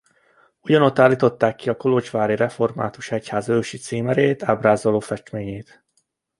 Ugyanott állították ki a kolozsvári református egyház ősi címerét ábrázoló festményét.